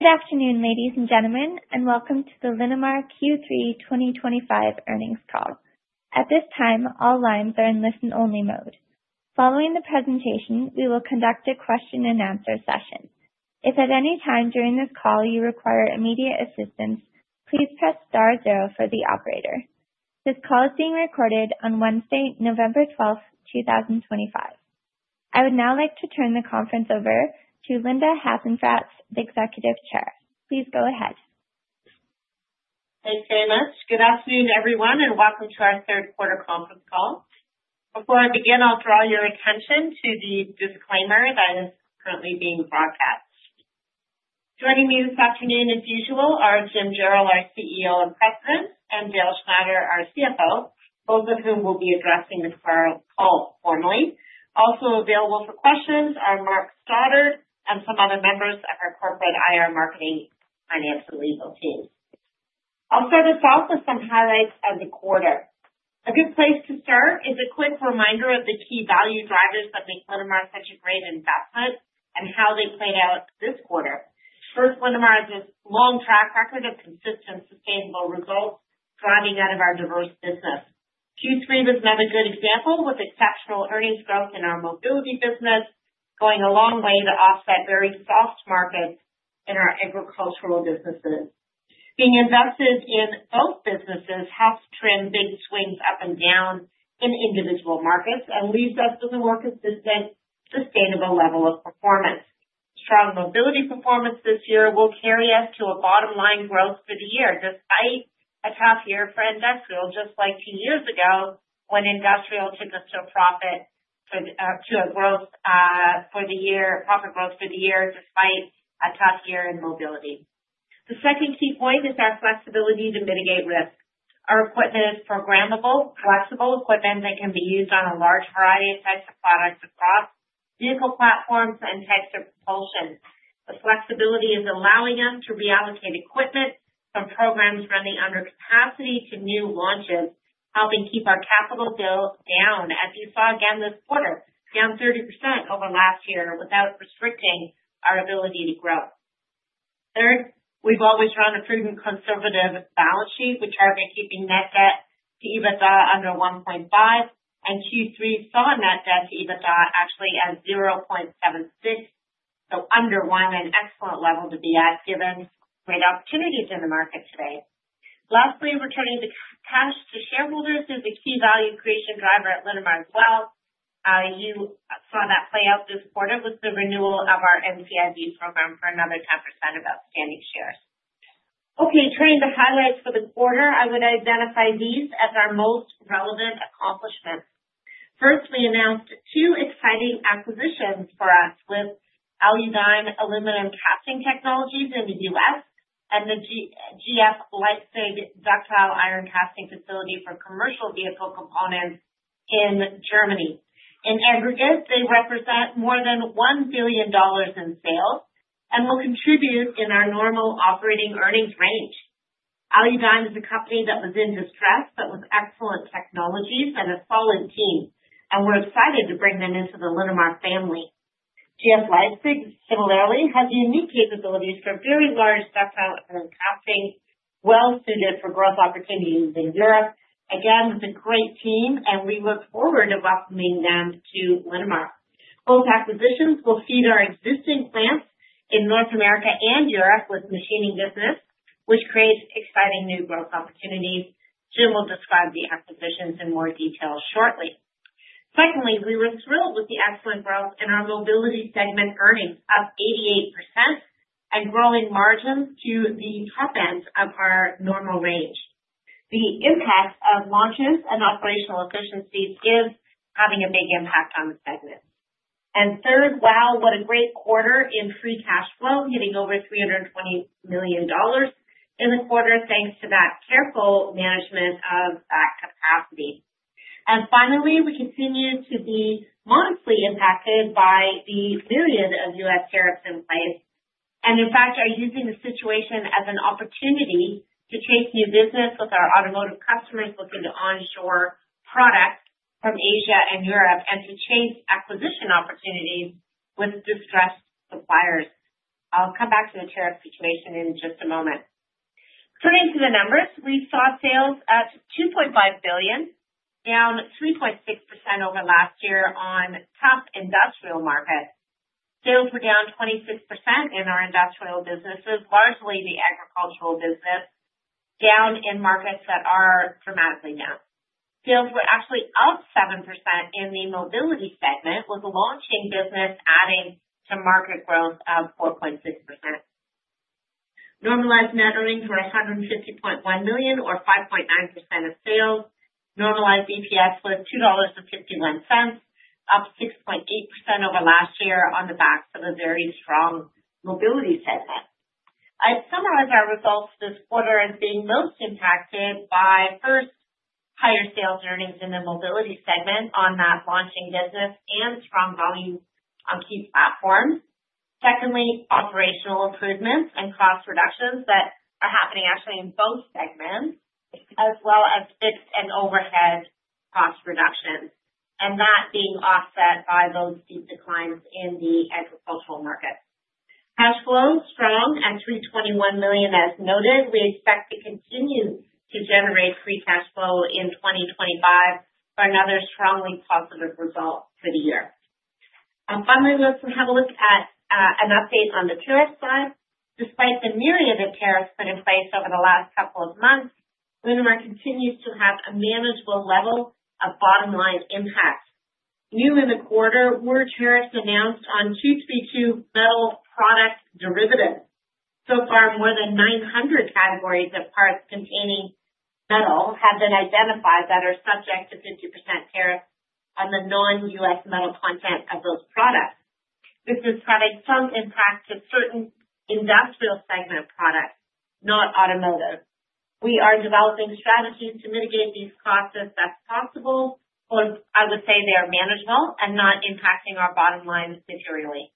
Good afternoon ladies and gentlemen and welcome to the Linamar Q3 2025 earnings call. At this time, all lines are in listen only mode. Following the presentation, we will conduct a question and answer session. If at any time during this call you require immediate assistance, please press star zero for the operator. This call is being recorded on Wednesday, November 12, 2025. I would now like to turn the conference over to Linda Hasenfratz, Executive Chair. Please go ahead. Thanks very much. Good afternoon everyone and welcome to our 3Q conference call. Before I begin, I'll draw your attention to the disclaimer that is currently being broadcast. Joining me this afternoon as usual are Jim Jarrell, our CEO and President, and Dale Schnatter, our CFO, both of whom will be addressing the call. Also available for questions are Mark Stoddard and some other members of our corporate IR, marketing, finance and legal team. I'll start us off with some highlights of the quarter. A good place to start is a quick reminder of the key value drivers that make Linamar such a great investment and how they played out this quarter. First, Linamar has a long track record of consistent, sustainable results driving out of our diverse business. Q3 was another good example with exceptional earnings growth in our Mobility business going a long way to offset very soft markets in our agricultural businesses. Being invested in both businesses has trimmed big swings up and down in individual markets and leaves us with a more consistent, sustainable level of performance. Strong Mobility performance this year will carry us to a bottom line growth for the year despite a tough year for Industrial, just like two years ago when Industrial took us to a profit growth for the year despite a tough year in Mobility. The second key point is our flexibility to mitigate risk. Our equipment is programmable, flexible equipment that can be used on a large variety of types of products across vehicle platforms and types of propulsion. The flexibility is allowing us to reallocate equipment from programs running under capacity to new launches, helping keep our capital bill down as you saw again this quarter, down 30% over last year without restricting our ability to grow. Third, we've always run a prudent, conservative balance sheet. We target keeping net debt to EBITDA under 1.5 and Q3 saw net debt to EBITDA actually at 0.76, so under one, an excellent level to be at given great opportunities in the market today. Lastly, returning to cash to shareholders is a key value creation driver at Linamar as well. You saw that play out this quarter with the renewal of our NCIB program for another 10% of outstanding shares. Okay, turning to highlights for the quarter, I would identify these as our most relevant accomplishments. First, we announced two exciting acquisitions for us with Aludyne aluminum casting technologies in the U.S. and the GF Leipzig ductile iron casting facility for commercial vehicle components in Germany. In aggregate, they represent more than 1 billion dollars in sales and will contribute in our normal operating earnings range. Aludyne is a company that was in distress but with excellent technologies and a solid team and we're excited to bring them into the Linamar family. GF Leipzig similarly has unique capabilities for very large ductile castings well suited for growth opportunities in Europe. Again with a great team and we look forward to welcoming them to Linamar. Both acquisitions will feed our existing plants in North America and Europe with machining business which creates exciting new growth opportunities. Jim will describe the acquisitions in more detail shortly. Secondly, we were thrilled with the excellent growth in our Mobility segment, earnings up 88% and growing margins to the top end of our normal range. The impact of launches and operational efficiencies is having a big impact on the segment. And third, wow, what a great quarter in free cash flow hitting over 320 million dollars in the quarter thanks to that careful management of that capacity. And finally, we continue to be modestly impacted by the myriad of U.S. tariffs in place and in fact are using the situation as an opportunity to chase new business with our automotive customers looking to onshore product from Asia and Europe and to chase acquisition opportunities with distressed suppliers. I'll come back to the tariff situation in just a moment. Turning to the numbers, we saw sales at 2.5 billion, down 3.6% over last year on tough Industrial markets. Sales were down 26% in our Industrial businesses, largely the agricultural business, down in markets that are dramatically down. Sales were actually up 7% in the Mobility segment, with launching business adding to market growth of 4.6%. Normalized net earnings were 150.1 million or 5.9% of sales. Normalized EPS was 2.51 dollars, up 6.8% over last year on the backs of a very strong Mobility segment. I summarize our results this quarter as being most impacted by first, higher sales earnings in the Mobility segment on that launching business and strong volume on key platforms. Secondly, operational improvements and cost reductions that are happening actually in both segments as well as fixed and overhead cost reductions, and that being offset by those steep declines in the agricultural market. Cash flow strong at 321 million. As noted, we expect to continue to generate free cash flow in 2025 for another strongly positive result for the year. Finally, let's have a look at an update on the tariff slide. Despite the myriad of tariffs put in place over the last couple of months, Linamar continues to have a manageable level of bottom line impact. New in the quarter were tariffs announced on 232 metal product derivatives. So far more than 900 categories of parts containing metal have been identified that are subject to 50% tariffs on the non-U.S. metal content of those products. This has had a strong impact to certain Industrial segment products, not automotive. We are developing strategies to mitigate these costs as best possible. I would say they are managed well and not impacting our bottom line materially.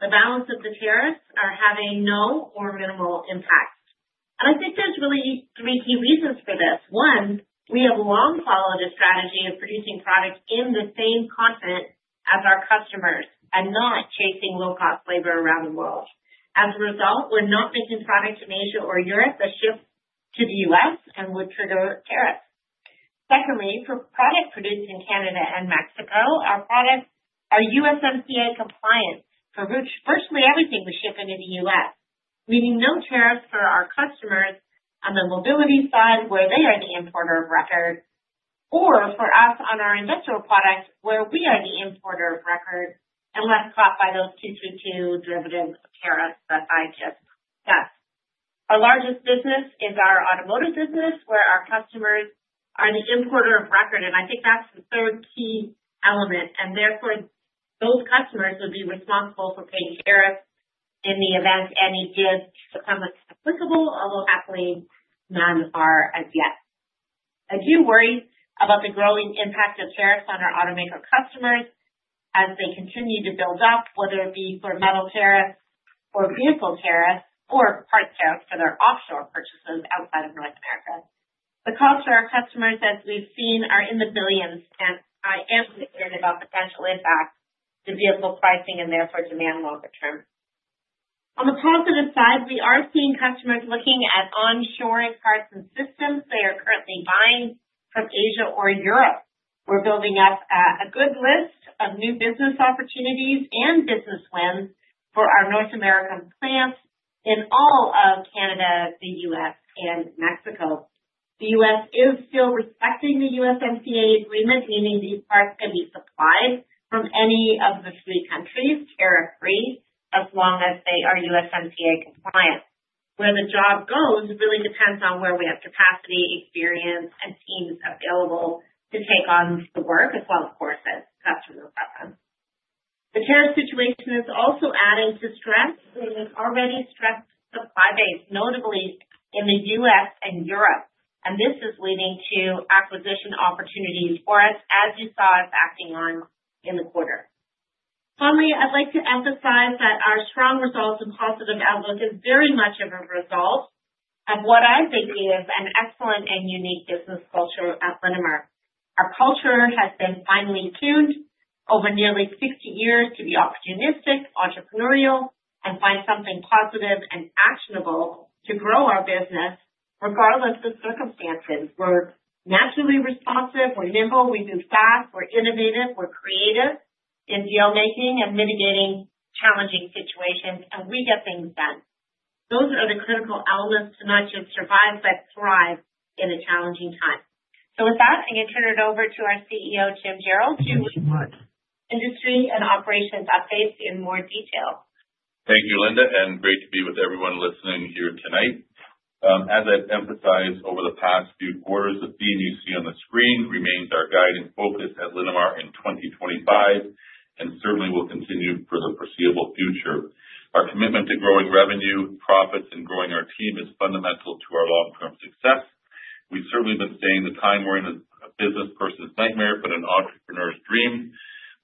The balance of the tariffs are having no or minimal impact, and I think there's really three key reasons for this. One, we have long followed a strategy of producing products in the same continent as our customers and not chasing low cost labor around the world. As a result, we're not making products in Asia or Europe that ship to the U.S. and would trigger tariffs. Secondly, for product produced in Canada and Mexico, our products are USMCA compliant for virtually everything we ship into the U.S., meaning no tariffs for our customers on the Mobility side where they are the importer of record, or for us on our Industrial products where we are the importer of record, unless caught by those 232 derivative tariffs that I just discussed. Our largest business is our automotive business where our customers are the importer of record and I think that's the third key element and therefore those customers would be responsible for paying tariffs in the event any tariffs become applicable, although happily none are as yet. I do worry about the growing impact of tariffs on our automaker customers as they continue to build up, whether it be for metal tariffs or vehicle tariffs or parts tariffs for their offshore purchases outside of North America. The cost for our customers as we've seen are in the billions and I am concerned about potential impact to vehicle pricing and therefore demand longer term. On the positive side, we are seeing customers looking at onshoring parts and systems they are currently buying from Asia or Europe. We're building up a good list of new business opportunities and business wins for our North American plants in all of Canada, the U.S. and Mexico. The U.S. is still respecting the USMCA agreement, meaning these parts can be supplied from any of the three countries tariff free as long as they are USMCA compliant. Where the job goes really depends on where we have capacity, experience and teams available to take on the work as well. Of course, that's the tariff situation is also adding to stress in an already stressed supply base, notably in the U.S. and Europe, and this is leading to acquisition opportunities for us as you saw us acting on in the quarter. Finally, I'd like to emphasize that our strong results and positive outlook is very much of a result of what I think is an excellent and unique business culture at Linamar. Our culture has been finely tuned over nearly 60 years to be opportunistic, entrepreneurial and find something positive and actionable to grow our business regardless of circumstances. We're naturally responsive, we're nimble, we do fast, we're innovative, we're creative in deal making and mitigating challenging situations and we get things done. Those are the critical elements to not just survive, but thrive in a challenging time. So with that, I'm going to turn it over to our CEO, Jim Jarrell, for industry and operations updates and more. Dale. Thank you, Linda, and great to be with everyone listening here tonight. As I've emphasized over the past few quarters, the theme you see on the screen remains our guiding focus at Linamar in 2025 and certainly will continue for the foreseeable future. Our commitment to growing revenue, profits and growing our team is fundamental to our long term success. We've certainly been saying the time we're in a business person's nightmare, but an entrepreneur's dream.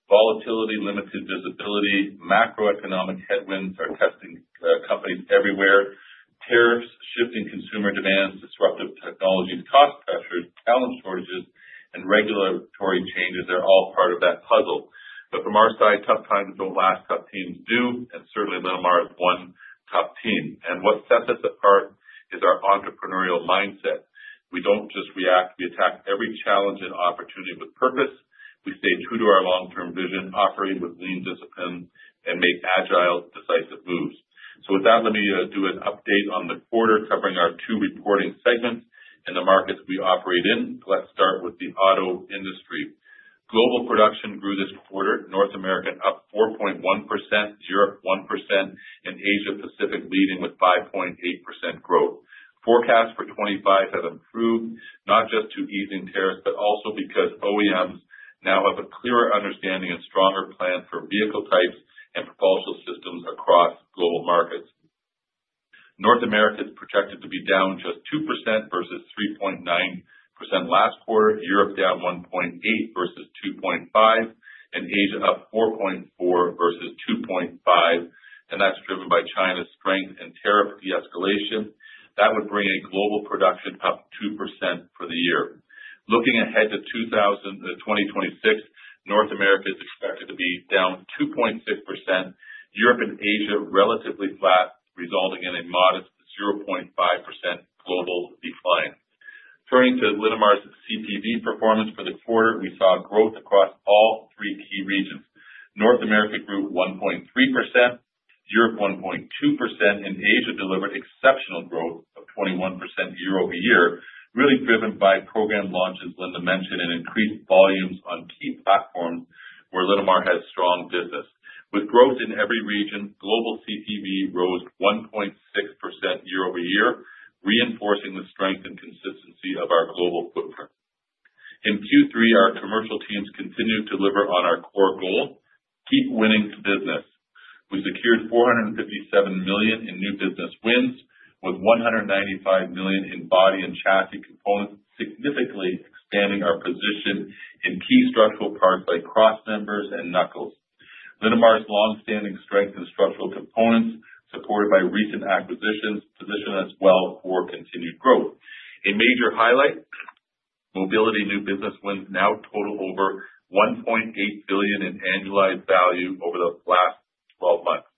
Volatility, limited visibility, macroeconomic headwinds are testing companies everywhere. Tariffs, shifting consumer demands, disruptive technologies, cost pressures, labor shortages and regulatory changes are all part of that puzzle. But from our side, tough times don't last. Tough teams do, and certainly many of them are at Linamar, one tough team. What sets us apart is our entrepreneurial mindset. We don't just react. We attack every challenge and opportunity with purpose. We stay true to our long-term vision, operate with lean discipline and make agile, decisive moves. So with that, let me do an update on the quarter covering our two reporting segments and the markets we operate in. Let's start with the auto industry. Global production grew this quarter, North American up 4.41%, Europe 1% and Asia Pacific leading with 5.8%. Growth forecasts for 2025 have improved not just to easing tariffs, but also because OEMs now have a clearer understanding and stronger plan for vehicle types and propulsion systems across global markets. North America is projected to be down just 2% versus 3.9% last quarter, Europe down 1.8% versus 2.5% and Asia up 4.4% versus 2.5%. And that's driven by China's strength and tariff de-escalation that would bring a global production up 2% for the year. Looking ahead to 2026, North America is expected to be down 2.6%, Europe and Asia relatively flat, resulting in a modest 0.5% global decline. Turning to Linamar's CPV performance for the quarter, we saw growth across all three key regions. North America grew 1.3%, Europe 1.2%, and Asia delivered exceptional growth of 21% year over year, really driven by program launches Linda mentioned and increased volumes on key platforms where Linamar has strong business with growth in every region. Global CPV rose 1.6% year over year, reinforcing the strength and consistency of our global footprint. In Q3, our commercial teams continue to deliver on our core goal: keep winning business. We secured 457 million in new business wins with 195 million in body and chassis components, significantly expanding our position in key structural parts like cross members and knuckles. Linamar's long-standing strength and structural components supported by recent acquisitions position us well for continued growth. A major highlight: Mobility new business wins now total over 1.8 billion in annualized value over the last 12 months.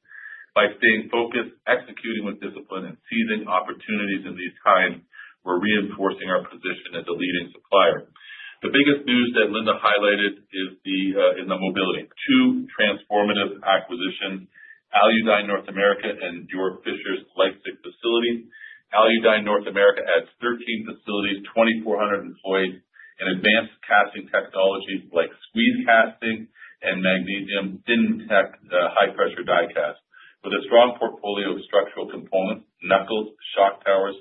By staying focused, executing with discipline and seizing opportunities in these times, we're reinforcing our position as a leading supplier. The biggest news that Linda highlighted is the Mobility two transformative acquisitions Aludyne North America and Georg Fischer's Leipzig facility. Aludyne North America adds 13 facilities, 2,400 employees and advanced casting technologies like squeeze casting and Magnesium Thin take the high pressure die cast with a strong portfolio of structural components, knuckles, shock towers,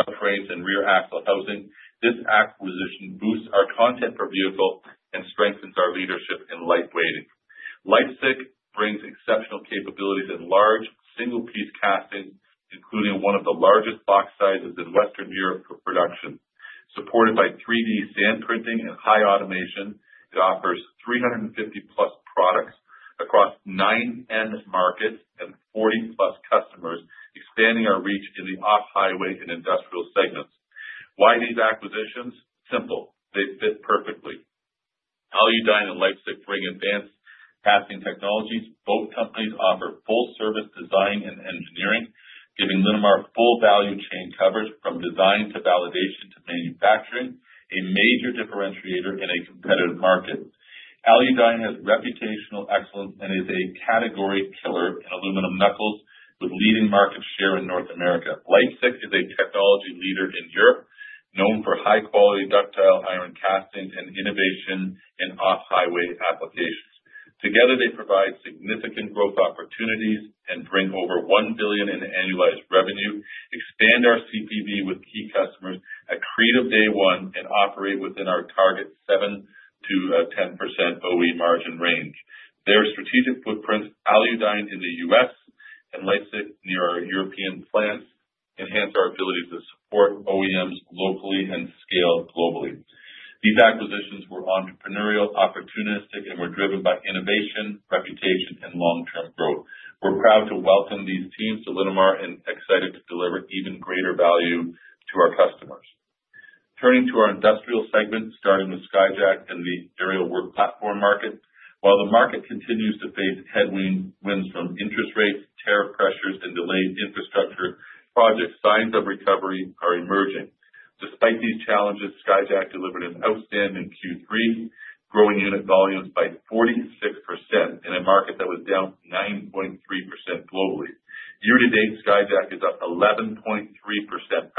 subframes and rear axle housing. This acquisition boosts our content per vehicle and strengthens our leadership in light weighting. Leipzig brings exceptional capabilities in large single piece casting including one of the largest box sizes in Western Europe for production. Supported by 3D sand printing and high automation, it offers 350 plus products across nine end markets and 40 plus customers, expanding our reach in the off-highway and Industrial segments. Why these acquisitions? Simple, they fit perfectly. Aludyne and Leipzig Fischer Advanced Casting Technologies. Both companies offer full service design and engineering giving Linamar full value chain coverage from design to validation to manufacturing. A major differentiator in a competitive market. Aludyne has reputational excellence and is a category killer in aluminum knuckles with leading market share in North America. Leipzig is a technology leader in Europe known for high quality ductile iron casting and innovation in off highway applications. Together they provide significant growth opportunities and bring over 1 billion in annualized revenue. Expand our CPV with key customers accretive day one and operate within our target 7%-10% OE margin range. Their strategic footprints, Aludyne in the U.S. and Leipzig near our European plants enhance our ability to support OEMs locally and scale globally. These acquisitions were entrepreneurial, opportunistic and were driven by innovation, reputation and long term growth. We're proud to welcome these teams to Linamar and excited to deliver even greater value to our customers. Turning to our Industrial segment, starting with Skyjack and the aerial work platform market. While the market continues to face headwinds from interest rates, tariff pressures and delayed infrastructure projects, signs of recovery are emerging. Despite these challenges, Skyjack delivered an outstanding Q3 growing unit volumes by 46% in a market that was down 9.3% globally year to date. Skyjack is up 11.3%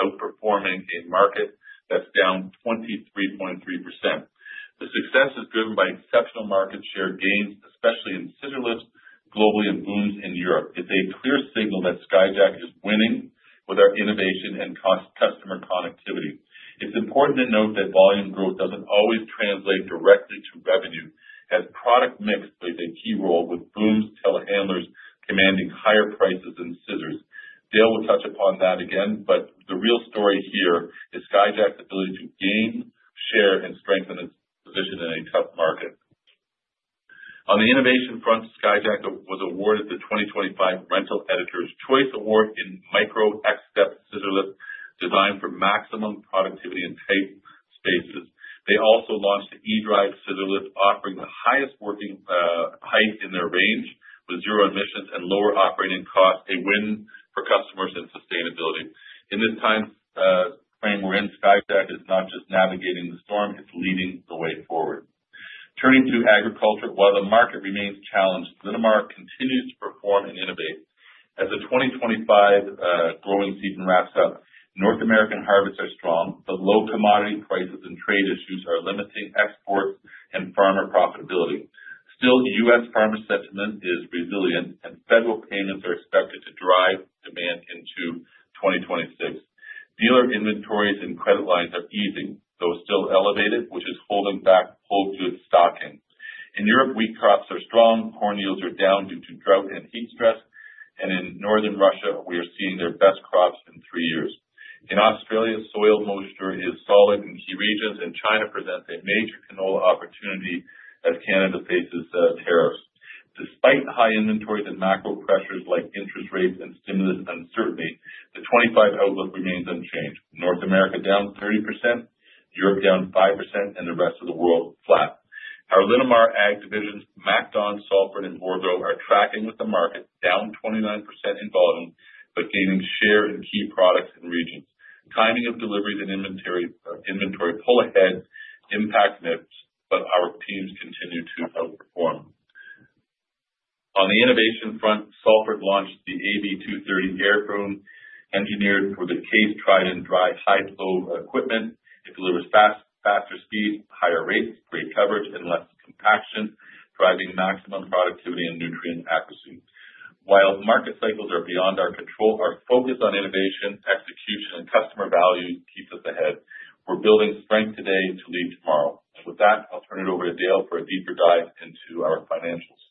outperforming a market that's down 23.3%. The success is driven by exceptional market share gains, especially in scissor lifts globally and booms in Europe. It's a clear signal that Skyjack is winning with our innovation and customer connectivity. It's important to note that volume growth doesn't always translate directly to revenue as product mix plays a key role with booms' telehandlers commanding higher prices than scissors. Dale will touch upon that again, but the real story here is Skyjack's ability to gain share and strengthen its position in a tough market. On the innovation front, Skyjack was awarded the 2025 Rental Editor's Choice Award in Micro XStep Scissor Lift, designed for maximum productivity in tight spaces. They also launched the E-Drive Scissor Lift, offering the highest working height in their range of with zero emissions and lower operating costs, a win for customers and sustainability in this time frame. We're in. Skyjack is not just navigating the storm, it's leading the way forward. Turning to agriculture. While the market remains challenged, Linamar continues to perform and innovate as the 2025 growing season wraps up. North American harvests are strong, but low commodity prices and trade issues are limiting exports and farmer profitability. Still, U.S. farmer sentiment is resilient and federal payments are expected to drive demand into 2026. Dealer inventories and credit lines are easing, though still elevated, which is holding back whole goods stocking. In Europe, wheat crops are strong, corn yields are down due to drought and heat stress, and in northern Russia we are seeing their best crops in three years. In Australia, soil moisture is solid in key regions and China presents a major canola opportunity as Canada faces tariffs. Despite high inventories and macro pressures like interest rates and stimulus uncertainty, the 25 outlook remains unchanged. North America down 30%, Europe down 5% and the rest of the world flat. Our Linamar's ag divisions MacDon, Salford and Bourgault are tracking with the market down 29% in volume but gaining share in key products and regions. Timing of deliveries and inventory pull ahead impacts mix, but our teams continue to outperform. On the innovation front, Salford launched the AB230 Airboom, engineered for the coarse, tried and dry high-flow equipment. It delivers faster speed, higher rates, great coverage and less compaction driving maximum productivity and nutrient accuracy. While market cycles are beyond our control, our focus on innovation, execution and customer value can keep us ahead. We're building strength today to lead tomorrow. With that, I'll turn it over to Dale for a deeper dive into our Financials.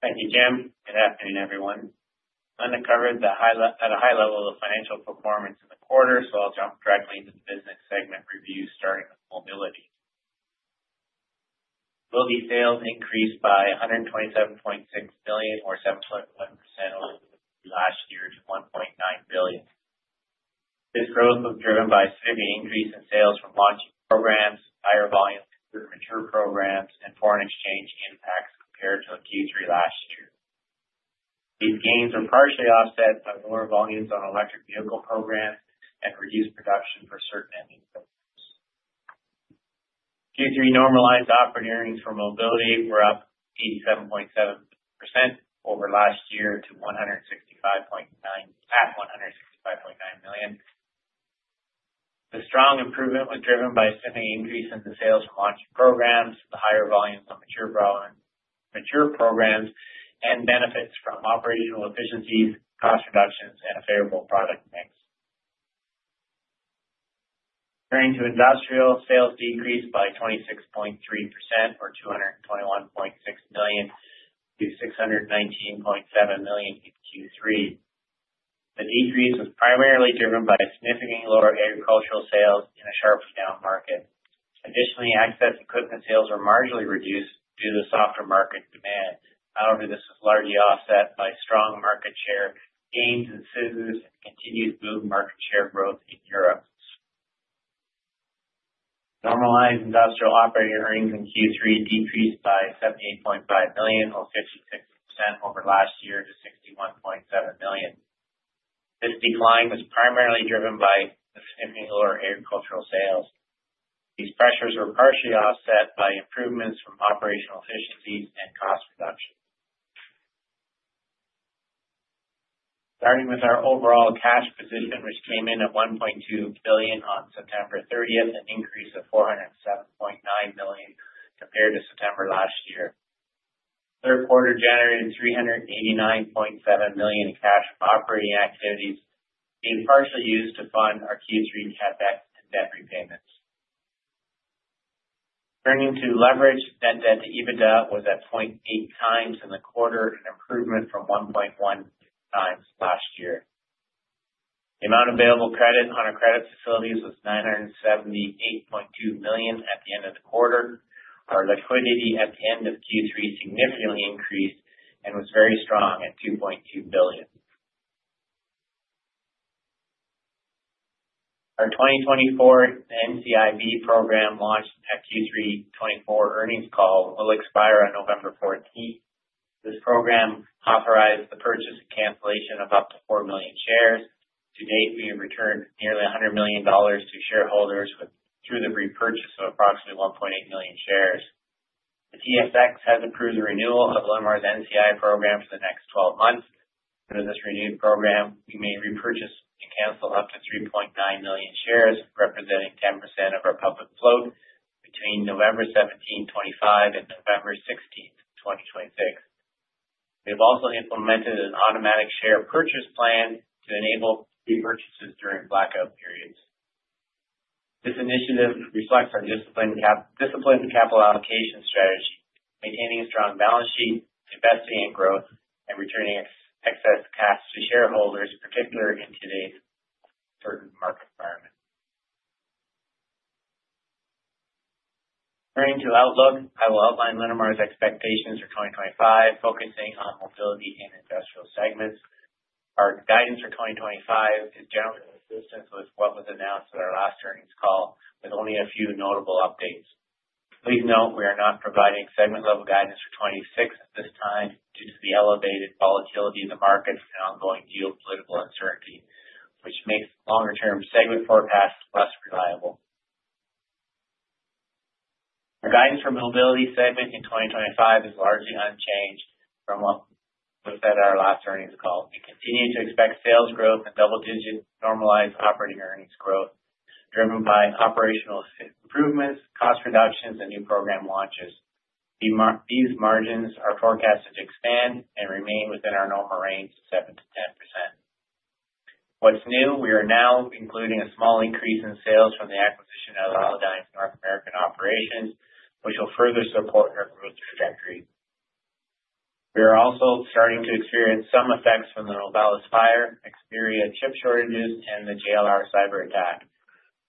Thank you, Jim. Good afternoon, everyone. Linda covered at a high level of financial performance in the quarter, so I'll jump directly into the business segment review starting with Mobility. Mobility sales increase by 1.276 billion or 7.1% over the last year to 1.9 billion. This growth was driven by significant increase in sales from launching programs, higher volume mature programs and foreign exchange impacts compared to Q3 last year. These gains are partially offset by lower volumes on electric vehicle programs and reduced production for certain OEM builders, Q3 normalized operating earnings for Mobility were up 87.7% over last year to 165.9 million. The strong improvement was driven by significant increase in the sales from launch programs, the higher volumes on mature programs and benefits from operational efficiencies, cost reductions and a favorable product mix. Turning to Industrial sales decreased by 26% or 221.6 million to 619.7 million in Q3. The decrease was primarily driven by significantly lower agricultural sales in a sharply down market. Additionally, access equipment sales are marginally reduced due to softer market demand. However, this was largely offset by strong market share gains in scissors and continued boom market share growth in Europe.Normalized Industrial operating earnings in Q3 decreased by 78.5 million or 56% over last year to 61.7 million. This decline was primarily driven by significant lower agricultural sales. These pressures were partially offset by improvements from operational efficiencies and cost reduction. Starting with our overall cash position, which came in at 1.2 billion on September 30, an increase of 407.9 million compared to September last year. Third quarter generated 389.7 million in cash operating activities, being partially used to fund our Q3 CapEx and debt repayments. Turning to leverage, net debt to EBITDA was at 0.8 times in the quarter, an improvement from 1.1 times last year. The amount of available credit on our credit facilities was 978.2 million at the end of the quarter. Our liquidity at the end of Q3 significantly increased and was very strong at 2.2 billion. Our 2024 NCIB program, launched at Q3 2024 earnings call, will expire on November 14th. This program authorized the purchase and cancellation of up to 4 million shares. To date, we have returned nearly 100 million dollars to shareholders through the repurchase of approximately 1.8 million shares. The TSX has approved the renewal of our NCIB program for the next 12 months. Under this renewed program, we may repurchase and cancel up to 3.9 million shares representing 10% of our public float between November 17, 2025 and November 16, 2026. We have also implemented an automatic share purchase plan to enable repurchases during blackout periods. This initiative reflects our disciplined capital allocation strategy, maintaining a strong balance sheet, investing in growth and returning excess cash to shareholders, particularly in today's uncertain market environment. Turning to Outlook, I will outline Linamar's expectations for 2025 focusing on Mobility and Industrial segments. Our guidance for 2025 is generally consistent with what was announced at our last earnings call with only a few notable updates. Please note we are not providing segment level guidance for 2026 at this time due to the elevated volatility in the markets and ongoing geopolitical uncertainty which makes longer term segment forecasts less reliable. Our guidance for Mobility segment in 2025 is largely unchanged from what was said at our last earnings call. We continue to expect sales growth and double digit normalized operating earnings growth driven by operational improvements, cost reductions and new program launches. These margins are forecasted to expand and remain within our normal range 7%-10%. What's new? We are now including a small increase in sales from the acquisition of Aludyne's North American operations which will further support our growth trajectory. We are also starting to experience some effects from the Novelis fire, Nexperia chip shortages and the JLR cyber attack.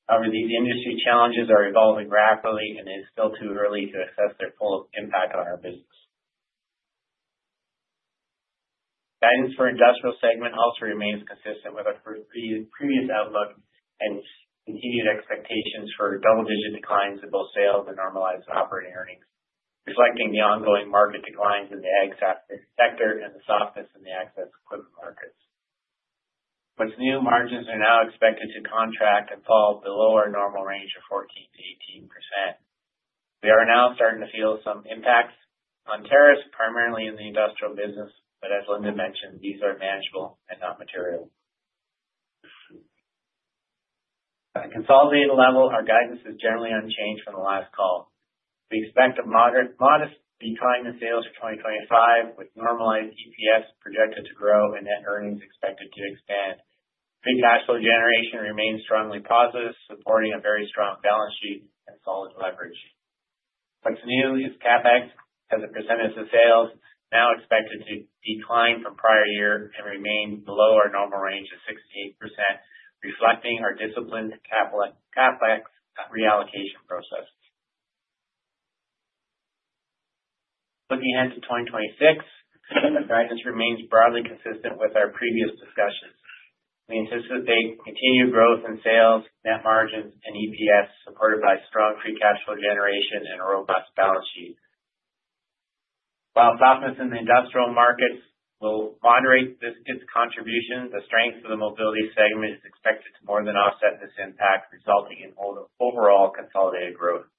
However, these industry challenges are evolving rapidly and it is still too early to assess their full impact on our business. Guidance for Industrial segment also remains consistent with our previous outlook and continued expectations for double-digit declines in both sales and normalized operating earnings reflecting the ongoing market declines in the Executive sector and the softness in the access equipment markets. What's New? Margins are now expected to contract and fall below our normal range of 14%-18%. We are now starting to feel some impacts on tariffs, primarily in the Industrial business, but as Linda mentioned, these are manageable and not material. At a consolidated level, our guidance is generally unchanged from the last call. We expect a modest decline in sales for 2025 with normalized EPS projected to grow and net earnings expected to expand. Free cash flow generation remains strongly positive, supporting a very strong balance sheet and solid leverage. Flexible CapEx as a percentage of sales now expected to decline from prior year and remain below our normal range of 6%-8%, reflecting our disciplined CapEx reallocation process. Looking ahead to 2026, the guidance remains broadly consistent with our previous discussions. We anticipate continued growth in sales, net margins and EPS supported by strong free cash flow generation and balance sheet. While softness in the Industrial markets will moderate its contribution, the strength of the Mobility segment is expected to more than offset this impact, resulting in overall consolidated growth.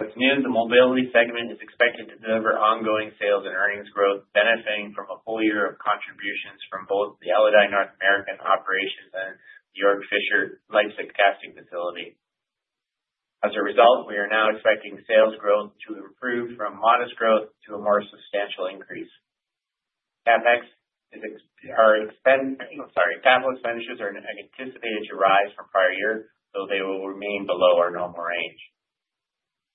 What's new? The Mobility segment is expected to deliver ongoing sales and earnings growth, benefiting from a full year of contributions from both the Aludyne North American Operations and Georg Fischer Leipzig Casting Facility. As a result, we are now expecting sales growth to improve from modest growth to a more substantial increase. CapEx. Capital expenditures are anticipated to rise from prior year, though they will remain below our normal range.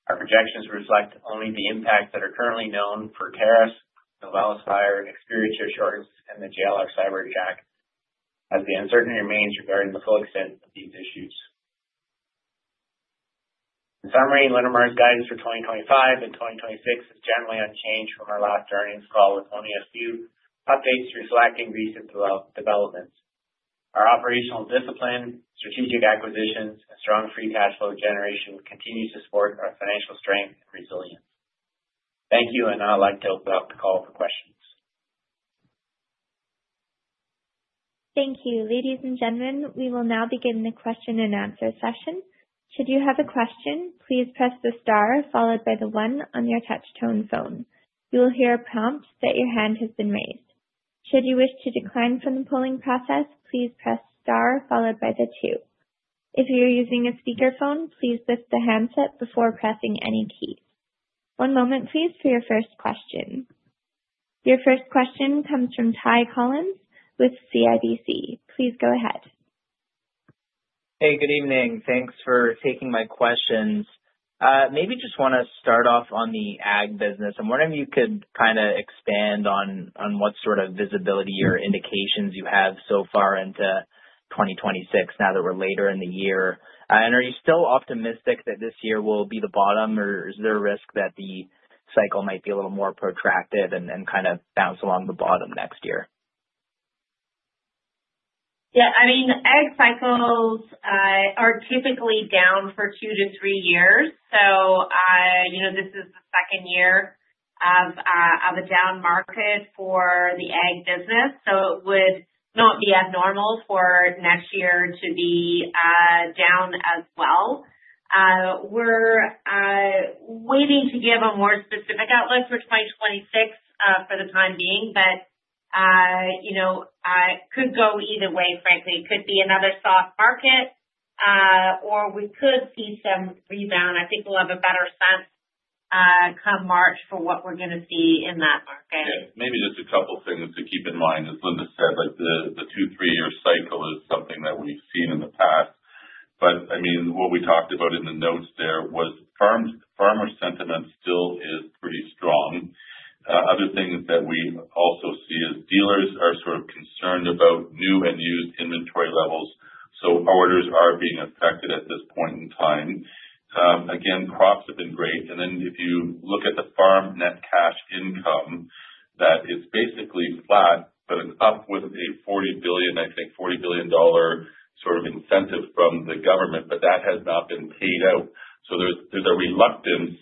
Our projections reflect only the impacts that are currently known for tariffs, Novelis' fire, Nexperia chip shortages and the JLR cyber attack as the uncertainty remains regarding the full extent of these issues. In summary, Linamar's guidance for 2025 and 2026 is generally unchanged from our last earnings call, with only a few updates reflecting recent developments. Our operational discipline, strategic acquisitions, and strong free cash flow generation continue to support our financial strength and resilience. Thank you and I'd like to open up the call for Questions. Thank you, ladies and gentlemen. We will now begin the question and answer session. Should you have a question, please press the star followed by the one on your touch-tone phone. You will hear a prompt that your hand has been raised. Should you wish to decline from the polling process, please press star followed by the two. If you are using a speaker phone, please lift the handset before pressing any key. One moment, please. Your first question comes from Ty Collins with CIBC. Please go a head. Hey, good evening. Thanks for taking my questions. Maybe just want to start off on the ag business. I'm wondering if you could kind of expand on what sort of visibility or indications you have so far into 2026 now that we're later in the year? And are you still optimistic that this year will be the bottom or is there a risk that the cycle might be a little more protracted and kind of bounce along the bottom next Year? Yeah, I mean ag cycles are typically down for two to three years. So you know, this is the second year of a down market for the ag busiess. So it would not be abnormal for next year to be down as well. We're waiting to give a more specific outlook for 2026 for the time being, but you know, could go either way, frankly. It could be another soft market or we could see some rebound. I think we'll have a better sense come March for what we're going to see in that market. Maybe just a couple things to keep in mind. As Linda said, the two, three year cycle is something that we seen in the past. But I mean what we talked about in the notes there was farmer sentiment still is pretty strong. Other things that we also see is dealers are sort of concerned about new and used inventory levels. So orders are being affected at this point in time. Again, crops have been great and then if you look at the farm net cash income, that is basically flat. But it's up with a 40 billion, I think 40 billion dollar sort of incentive from the government. But that has not been paid out. So there's a reluctance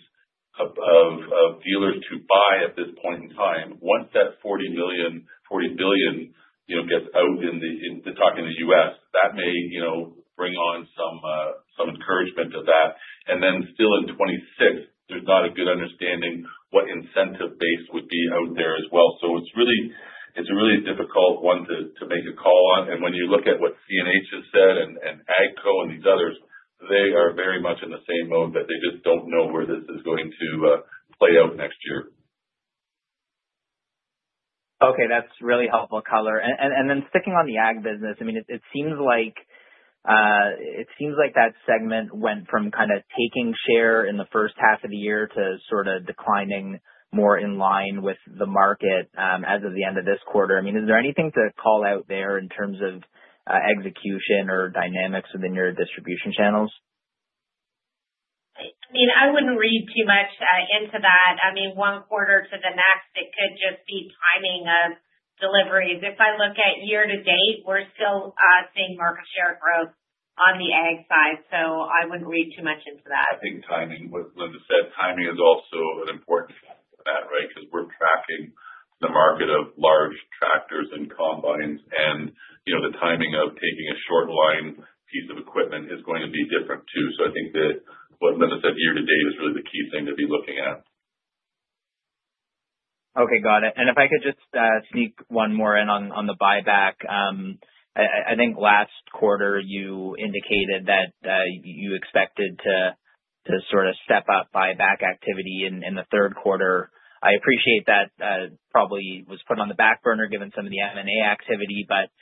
of dealers to buy at this point in time. Once that 40 billion gets out in the talk in the US that may bring on some encouragement to that. And then still in 2026, there's not a good understanding of what incentive base would be out there as well. So it's a really difficult one to make a call on. And when you look at what CNH has said and AGCO and these others, they are very much in the same mode that they just don't know where this is going to play out next year. Okay, that's really helpful color and then sticking on the ag business. I mean. It seems like that segment went from kind of taking share in the first half of the year to sort of declining more in line with the market as of the end of this quarter. I mean, is there anything to call out there in terms of execution or dynamics within your distribution Channels? I mean, I wouldn't read too much into that. I mean one quarter to the next it could just be timing of deliveries. If I look at year to date, we're still seeing market share growth on the AG side, so I wouldn't read too much into that. I think timing, what Linda said, timing is also important because we're tracking the market of large tractors and combines and the timing of taking a short line piece of equipment is going to be different too. So I think that what Linda said year to date is really the key thing to be looking at. Okay, got it. And if I could just sneak one more in on the buyback. I think last quarter you indicated that you expected to sort of step up buyback activity in the third quarter. I appreciate that. Probably was put on the back burner given some of the M&A activity. But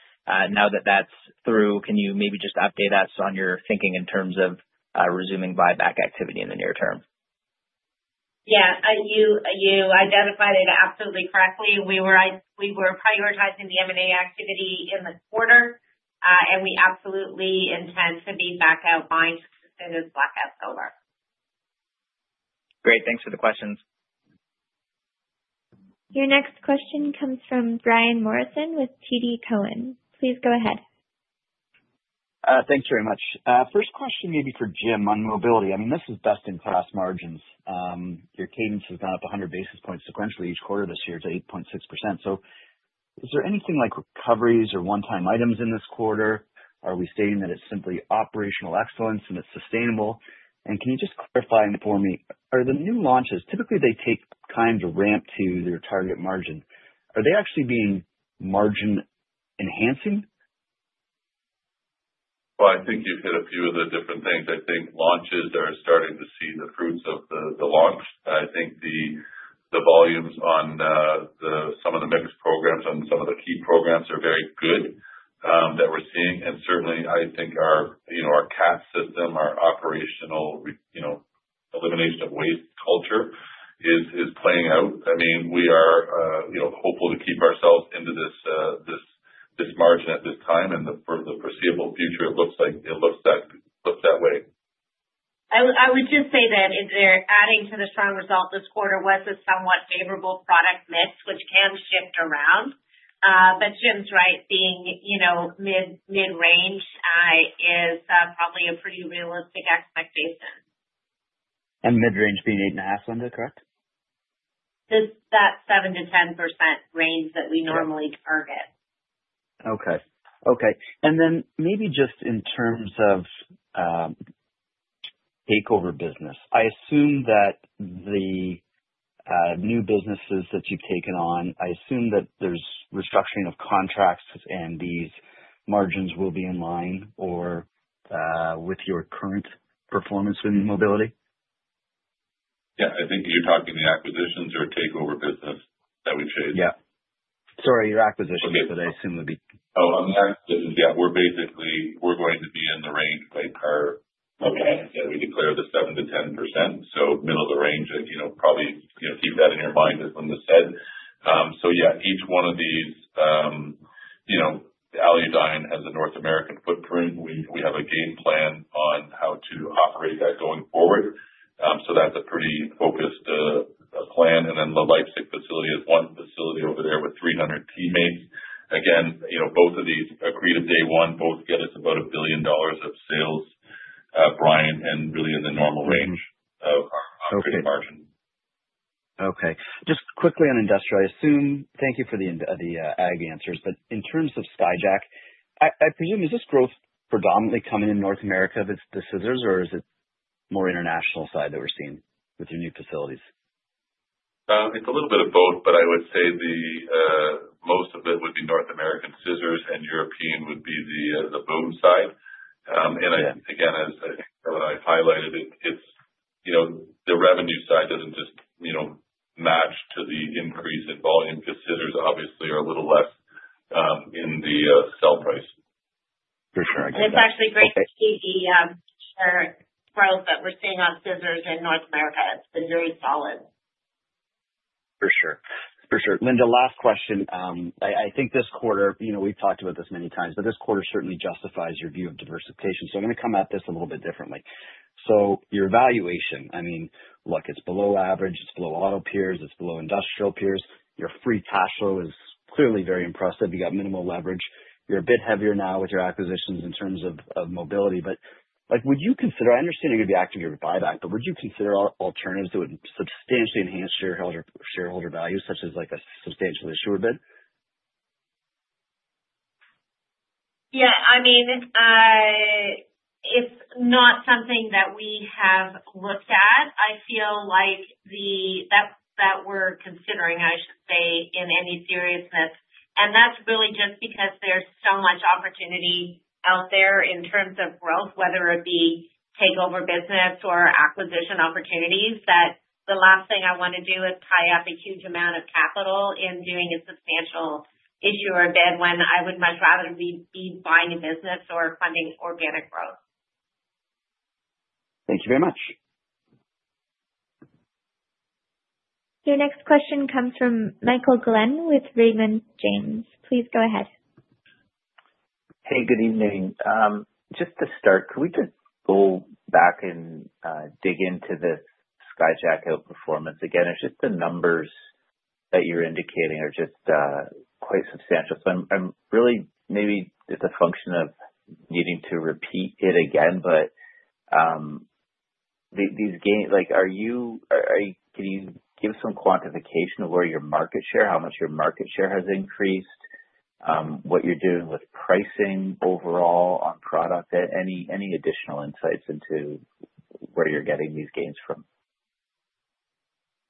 now that that's through, can you maybe just update us on your thinking in terms of resuming buyback activity in the near term? Term? Yeah, you identified it absolutely correctly. We were prioritizing the M&A activity in the quarter, and we absolutely intend to be back out buying as soon as Blackout Solar. Great. Thanks for the Questions. Your next question comes from Brian Morrison with TD Cowen. Please go Ahead. Thank you very much. First question, maybe for Jim on Mobility. I mean this is best in class margins. Your cadence has gone up 100 basis points sequentially each quarter this year to 8.6%. So is there anything like recoveries or one time items in this quarter? Are we stating that it's simply operational excellence and it's sustainable? And can you just clarify for me, are the new launches typically they take time to ramp to their target margin? Are they actually being margin enhancing? I think you've hit a few of the different things. I think launches are starting to see the fruits of the launch. I think the volumes on some of the mixed programs and some of the key programs are very good that we're seeing. And certainly I think our, you know, our CAT system, our operational, you know, elimination of waste culture is playing out. I mean, we are, you know, hopeful to keep ourselves into this margin at this time and for the foreseeable future. It looks like that. I would just say that adding to the strong result this quarter was a somewhat favorable product mix, which can shift around. But Jim's right. Being, you know, mid range is probably a pretty realistic expectation. And mid-range being 8.5%. Linda correct. That 7%-10% range that we normally. Target. Okay. Okay. And then maybe just in terms of Takeover business, I assume that the new businesses that you've taken on, I assume that there's restructuring of contracts and these margins will be in line or with your current performance in mobility. Yeah, I think you're talking the acquisitions or takeover business that we changed. Yeah, sorry. Your acquisitions would assume would be. Oh, on the. Yes. Yeah, we're basically, we're going to be in the range. Right. We declare the 7%-10% so middle of the range. You know, probably, you know, keep that in your mind, as Linda said. So, yeah, each one of these, you know, Aludyne has a North American footprint. We have a game plan on how to operate that going forward. So that's a pretty focused plan. And then the Leipzig facility is one facility over there with 300 teammates. Again, both of these accretive day one. Both get us about 1 billion dollars of sales, Brian. And really in the normal range operating margin. Okay, just quickly on Industrial, I assume. Thank you for the AG answers. But in terms of Skyjack, I presume is this growth predominantly coming in North America with the scissors, or is it more international side that we're seeing with your new facilities? It's a little bit of both, but I would say the most of it would be North American scissor and European would be the boom side. And again, as I highlighted, it's, you know, the revenue side doesn't just, you know, match to the increase in volume because scissor obviously are a little less in the sell price. For sure. It's actually great to see the share growth that we're seeing on scissors in North America. It's been very solid. For sure. For sure. Linda, last question. I think this quarter, you know, we've talked about this many times, but this quarter certainly justifies your view of diversification. So I'm going to come at this a little bit differently. So your valuation, I mean, look, it's below average, it's below auto peers, it's below Industrial peers. Your free cash flow is clearly very impressive. You got minimal leverage. You're a bit heavier now with your acquisitions in terms of Mobility. But like, would you consider, I understand you could be active buyback, but would you consider alternatives that would substantially enhance shareholder value, such as like a substantial issuer bid? Yeah, I mean It's not something that we have looked at, I feel like that we're considering, I should say, in any seriousness, and that's really just because there's so much opportunity out there in terms of growth, whether it be takeover, business or acquisition opportunities, that the last thing I want to do is tie up a huge amount of capital in doing a substantial issue or bid when I would much rather be buying a business or funding organic growth. Thank you very much. Your next question comes from Michael Glen with Raymond James. Please go ahead. Hey, good evening. Just to start, could we just go back and dig into this Skyjack outperformance again? It's just the numbers that you're indicating are just quite substantial. So I'm really. Maybe it's a function of needing to repeat it again. But These gains, like, can you give us some quantification of where your market share, how much your market share has increased, what you're doing with pricing overall on product? Any additional insights into where you're getting these gains from?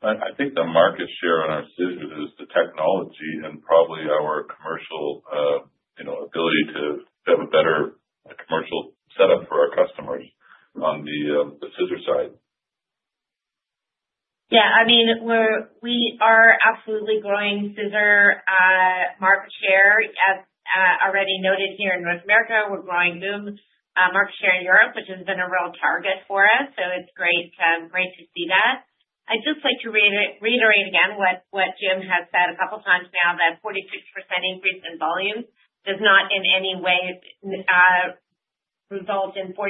I think the market share on our scissors is the technology and probably our commercial ability to have a better commercial setup for our customers. On the scissor Side. Yes. I mean, we are absolutely growing first market share, as already noted here in North America. We're growing both market share in Europe, which has been a real target for us. So it's great to see that. I'd just like to reiterate again what Jim has said a couple times now. That 46% increase in volumes does not in any way, Result in 46%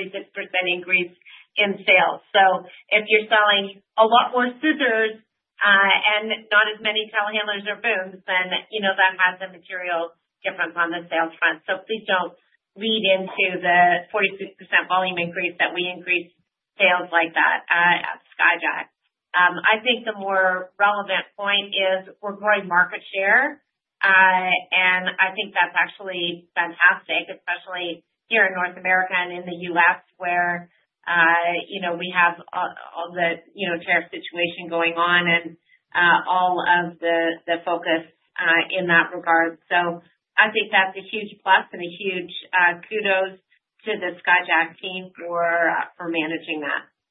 increase in sales, so if you're selling a lot more scissors and not as many telehandlers or booms, then you know, that has a material difference on the sales front, so please don't read into the 46% volume increase that we increase sales like that at Skyjack. I think the more relevant point is we're growing market share, and I think that's actually fantastic, especially here in North America and in the U.S. where, you know, we have all the, you know, tariff situation going on and all of the focus in that regard, so I think that's a huge plus and a huge kudos to the Skyjack team for managing.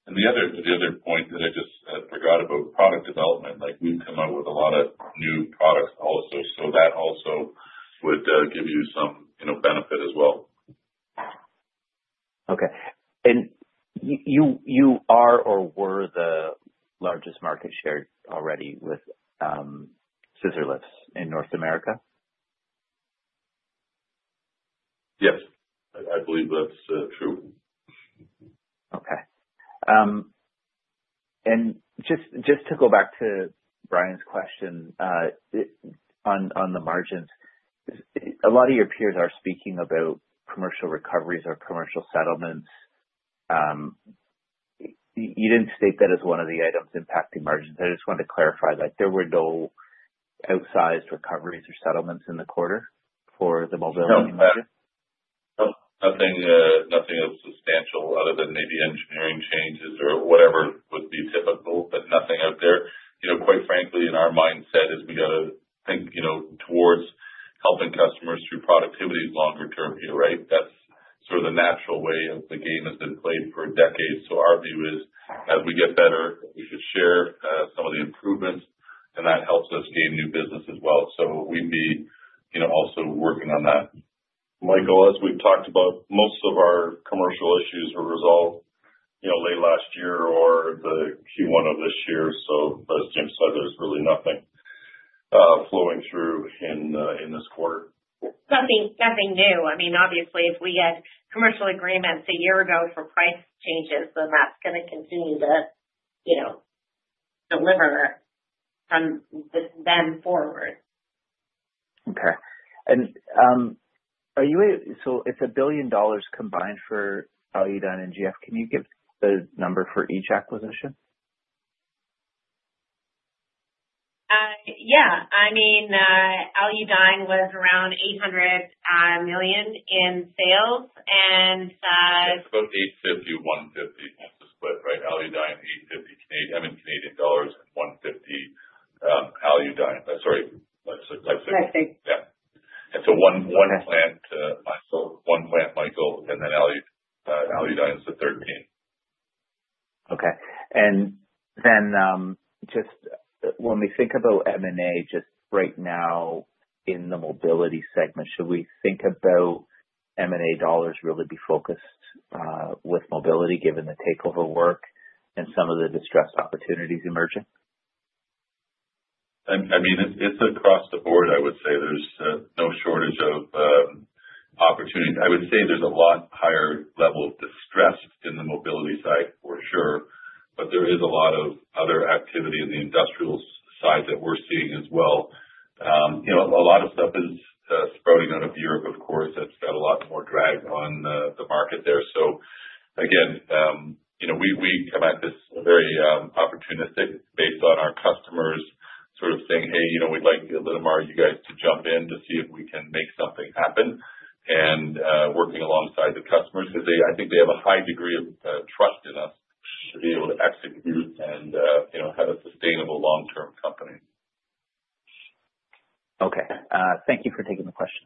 And the other point that I just forgot about product development, like, we've come out with a lot of new products also, so that also would give you some benefit as well. Okay. And you are or were the largest market share already with scissor lifts in North America America? Yes, I believe that's true. Okay And just to go back to Brian's question On the margins, a lot of your peers are speaking about commercial recoveries or commercial settlements. You didn't state that as one of the items impacting margins. I just wanted to clarify that there were no outsized recoveries or settlements in the quarter for the Mobility market. Nothing substantial other than maybe engineering changes or whatever would be typical. But nothing out there, you know, quite frankly, in our mindset, is we gotta think, you know, towards helping customers through productivity longer term here. Right. That's sort of the natural way of the game, has been played for decades. So our view is as we get better we should share some of the improvements and that helps us gain new business as well. So we'd be, you know, also working on that. Michael, as we've talked about most of our customers' commercial issues were resolved late last year or the Q1 of this year. So as Jim said, there's really nothing flowing through in this quarter. Nothing new. I mean, obviously, if we had commercial agreements a year ago for price changes, then that's going to continue to deliver from then forward. Okay, and are you. So it's 1 billion dollars combined for Aludyne and GF. Can you give the number for each acquisition? Yeah, I mean, Aludyne was around 800 million in sales and about 850-150 that's the split. Right? Aludyne, CAD 850. CAD 150 Aludyne. Sorry, Yeah. And so one plant. One plant, Michael. And then Aludyne is a the third pin. Okay. And then just when we think about M&A, just right now in the Mobility segment, should we think about M&A dollars really be focused with Mobility given the takeover work and some of the distressed opportunities emerging? I mean it's across the board. I would say there's no shortage of opportunity. I would say there's a lot higher level of distress in the Mobility side for sure. But there is a lot of other activity in the Industrial side that we're seeing as well. You know, a lot of stuff is sprouting out of Europe of course, that's got a lot more drag on the market there. So again we come at this very opportunistic based on our customers sort of saying, hey, we'd like Linamar, you guys to jump in to see if we can make something happen and working alongside the customers because I think they have a high degree of trust in us to be able to execute and have a sustainable long term company. Okay, thank you for taking the Question.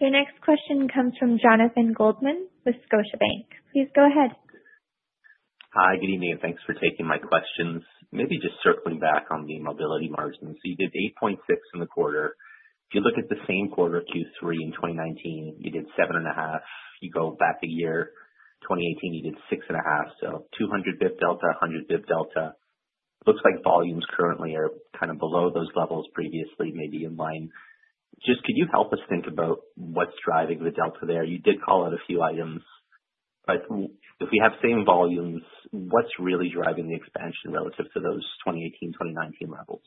Your next question comes from Jonathan Goldman with Scotiabank. Please go. Hi, good evening, and thanks for taking my questions. Maybe just circling back on the Mobility margins. You did 8.6% in the quarter. If you look at the same quarter, Q3 in 2019, you did 7.5%. You go back a year, 2018, you did 6.5%. So 200 basis points delta, 100 basis points delta. Looks like volumes currently are kind of below those levels, previously maybe in line, just could you help us think about what's driving the delta there. You did call out a few items, but if we have same volumes, what's really driving the expansion relative to those 2018, 2019 levels?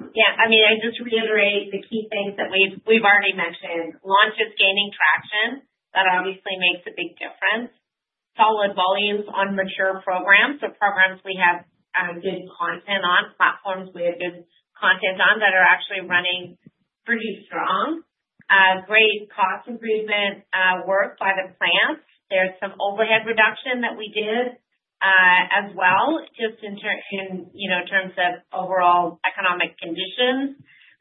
Yeah, I mean I just reiterate the key things that we've already mentioned. Launches gaining traction, that obviously makes a big difference. Solid volumes on mature programs. So programs we have good content on, platforms we have good content on that are actually running pretty strong. Great cost improvement work by the plants. There's some overhead reduction that we did as well. Just in terms of overall economic conditions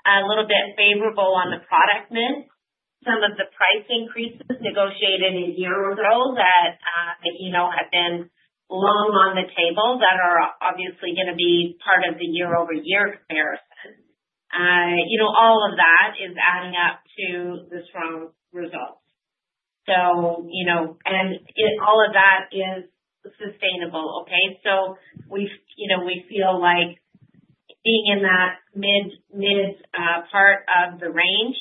a little bit favorable on the product mix. Some of the price increases negotiated a year ago that you know, had been long on the table that are obviously going to be part of the year over year comparison. You know, all of that is adding up to the strong results. So you know, and all of that is sustainable. Okay, so we, you know, we feel like being in that mid part of the range.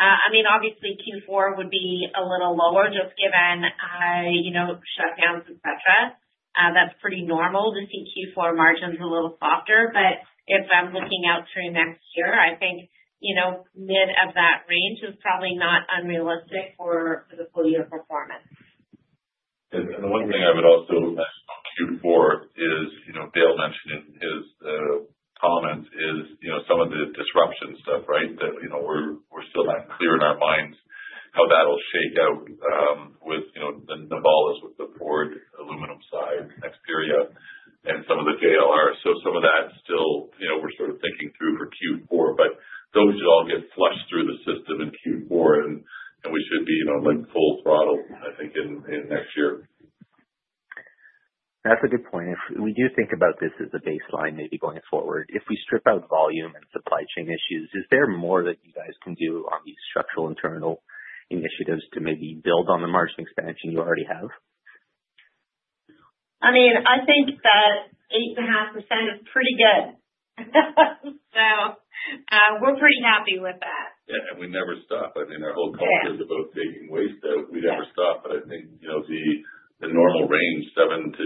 I mean, obviously Q4 would be a little lower just given you know, shutdowns of etc. That's pretty normal to see Q4 margins a little softer. But if I'm looking out through next year, I think, you know, mid of that range is probably not unrealistic for the full year Performance. And the one thing I would also cue for is, you know, Dale mentioned in his comments, you know, some of the disruption stuff. Right. That you know, we're still not clear in our minds how that will shake out with the Novelis, with the Ford aluminum side, Nexperia and some of the JLR. So some of that still we're sort of thinking through for Q4, but those should all get flushed through the system in Q4 and we should be full throttle I think in next Year. That's a good point. If we do think about this as a baseline, maybe going forward, if we strip out volume and supply chain issues, is there more that you guys can do on these structural internal initiatives to maybe build on the margin expansion you already Have? I mean, I think that 8.5% is pretty good. So we're pretty happy with That. Yeah, and we never stop. I mean our whole culture is about taking waste out. We never stop. But I think, you know, the normal range 7%-10%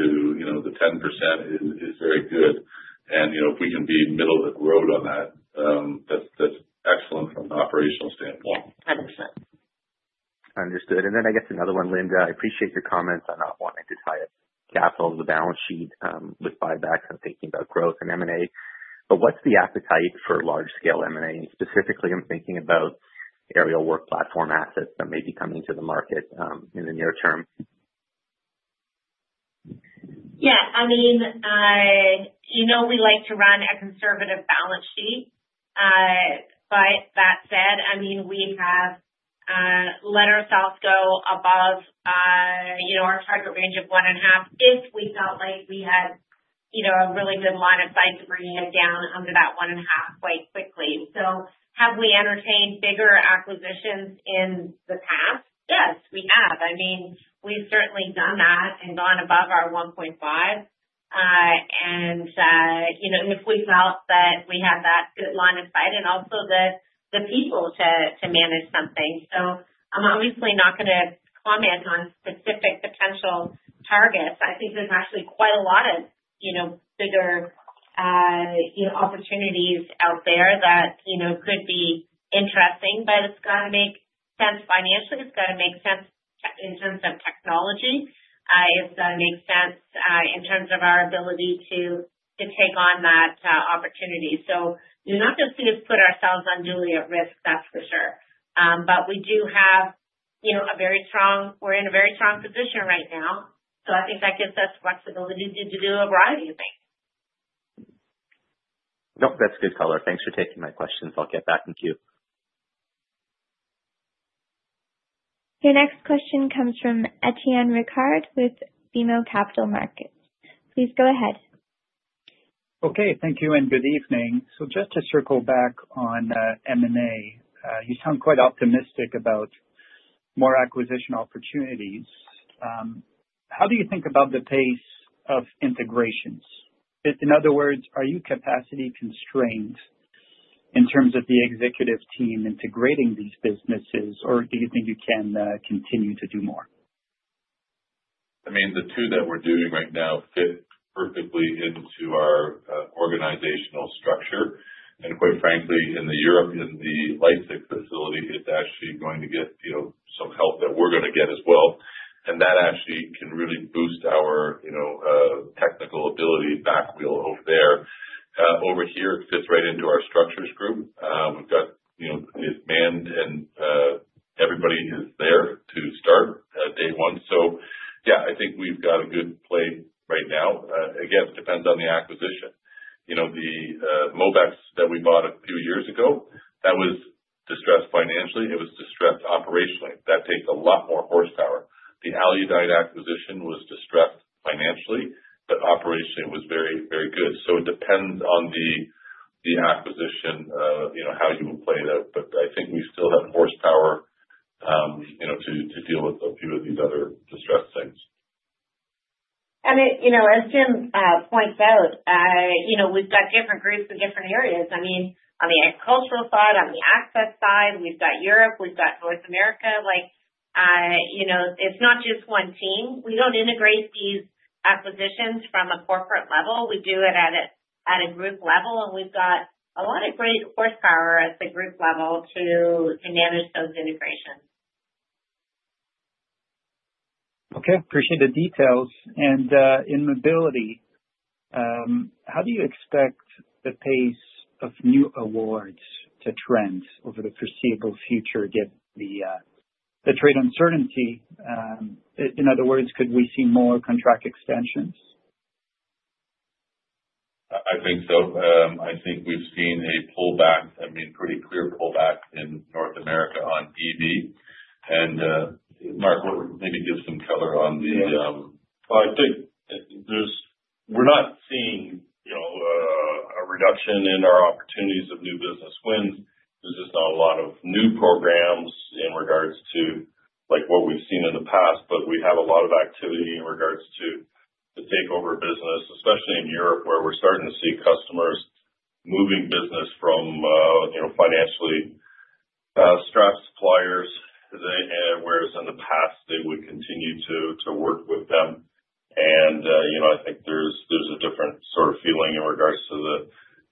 is very good and if we can be middle of the road on that, that's excellent from an operational standpoint. Understood. And then I guess another one. Linda, I appreciate your comments on not wanting to tie up capital, the balance sheet with buybacks and thinking about growth and M&A, but what's the appetite for large-scale M&A, specifically? I'm thinking about aerial work platform assets that may be coming to the market in the near term. Yeah, I mean, you know, we like to run a conservative balance sheet, but that said, I mean, we have let ourselves go above, you know, our target range of one and a half if we felt like we had, you know, a really good line of sight to bring it down under that one and a half quite quickly. So have we entertained bigger acquisitions in the past? Yes, we have. I mean, we've certainly done that and gone above our 1.5 and, you know, if we felt that we had that good line of sight and also the people to manage something. So I'm obviously not going to comment on specific potential targets. I think there's actually quite a lot of, you know, bigger opportunities out there that, you know, could be interesting. But it's going to make sense financially. It's going to make sense in terms of technology, it's going to make sense in terms of our ability to take on that opportunity. So we're not just going to put ourselves unduly at risk, that's for sure. But we do have, you know, a very strong. We're in a very strong position right now. So I think that gives us flexibility to do a variety of Things. No, that's good. color. Thanks for taking my questions. I'll get back in queue. Your next question comes from Etienne Ricard with BMO Capital Markets. Please go. Okay, thank you and good evening. So, just to circle back on M&A, you sound quite optimistic about more acquisition opportunities How do you think about the pace of integrations? In other words, are you capacity constrained in terms of the executive team integrating these businesses, or do you think you can continue to do more? I mean, the two that we're doing right now fit perfectly into our organizational structure. And quite frankly, in Europe, in the Leipzig facility, it's actually going to get some help that we're going to get as well and that actually can really boost our, you know, technical ability. back wheel over there, over here fits right into our Structures Group. We've got, you know, it's manned and everybody is there to start day one. So, yeah, I think we've got a good play right now. Again, it depends on the acquisition. You know, the Mobex that we bought a few years ago, that was distressed financially, it was distressed operationally. That takes a lot more horsepower. The Aludyne acquisition was distressed financially, but operationally it was very, very good. So it depends on the acquisition. You know, how you will play it out. But I think we still have horsepower To deal with a few of these other distressed Things. And as Jim points out, we've got different groups in different areas. I mean, on the Agricultural side, on the Access side, we've got Europe, we've got North America. Like, you know, it's not just one team. We don't integrate these acquisitions from a corporate level. We do it at a group level. And we've got a lot of great horsepower at the group level to manage those integrations. Okay. Appreciate the details. And in Mobility How do you expect the pace of new awards to trend over the foreseeable future given the trade uncertainty? In other words, could we see more contract extensions? I think so. I think we've seen a pullback, I mean, pretty clear pullback in North America on EV and Mark. Maybe give some color on. I think, we're not seeing, you know, a reduction in our opportunities of new business wins. There's just not a lot of new programs in regards to like what we've seen in the past, but we have a lot of activity in regards to the takeover business, especially in Europe, where we're starting to see customers moving business from, you know, financially strapped suppliers, whereas in the past they would continue to work with them. And, you know, I think there's a different sort of feeling in regards to the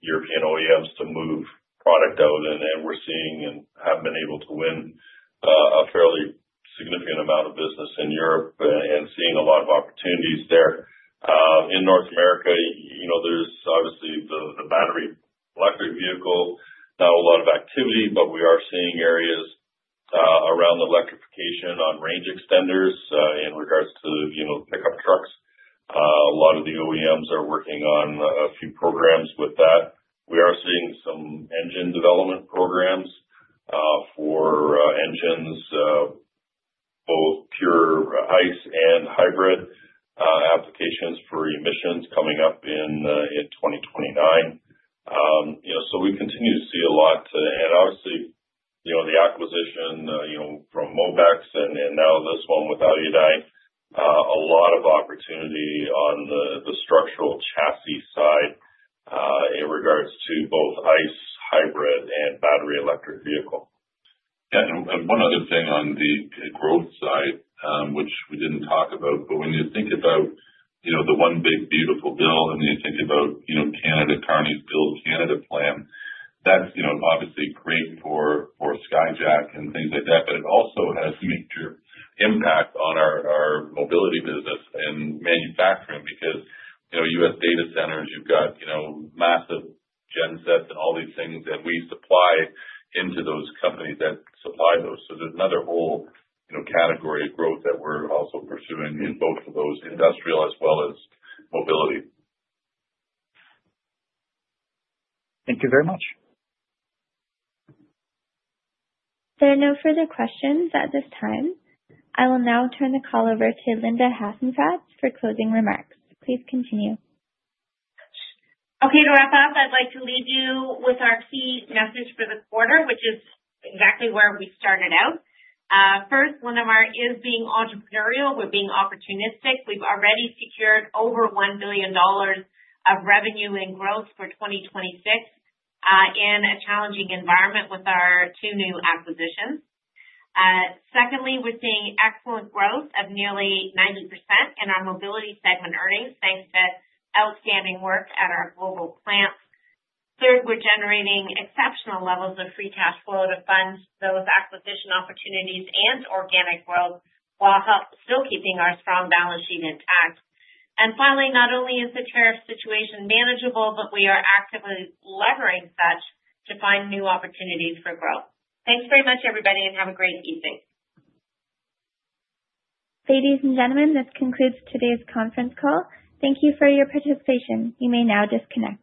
European OEMs to move product out, and we're seeing and have been able to win a fairly significant amount of business in Europe and seeing a lot of opportunities there. In North America, you know, there's obviously the battery electric vehicle, not a lot of activity, but we are seeing areas around electrification on range extenders in regards to pickup trucks. A lot of the OEMs are working on a few programs with that. We are seeing some engine development programs for engines Both pure ICE and hybrid applications for emissions coming up in 2029. So we continue to see a lot, and obviously the acquisition from Mobex and now this one with Aludyne, a lot of opportunity on the structural chassis side in regards to both ICE hybrid and battery electric vehicle. And one other thing on the growth side which we didn't talk about, but when you think about, you know, the one big beautiful bill and you think about, you know, Mark Carney's Build Canada Plan, that's, you know, obviously great for Skyjack and things like that, but it also has major impact on our Mobility business and manufacturing because, you know, U.S. data centers, you've got, you know, massive gensets and all these things that we supply into those companies that supply those So there's another whole category of growth that we're also pursuing in both of those Industrial as well as mobility. Thank you very much. There are no further questions at this time. I will now turn the call over to Linda Hasenfratz for closing remarks. please continue. Okay, to wrap up, I'd like to leave you with our key message for the which is exactly where we started out. First, Linamar is being entrepreneurial, we're being opportunistic. We've already secured over 1 billion dollars of revenue and growth for 2026 in a challenging environment with our two new acquisitions. Secondly, we're seeing excellent growth of nearly 90% in our Mobility segment earnings thanks to outstanding work at our global. Third, we're generating exceptional levels of free cash flow to fund those acquisition opportunities and organic growth while still keeping our strong balance sheet intact. And finally, not only is the tariff situation manageable, but we are actively leveraging such to find new opportunities for growth. Thanks very much, everybody, and have a great Evening. Ladies and gentlemen, this concludes today's conference call. Thank you for your participation. You may now disconnect.